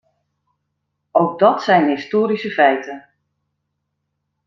Ook dat zijn historische feiten.